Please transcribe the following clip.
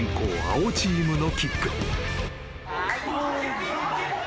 青チームのキック］